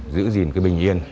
giữ gìn cái bình yên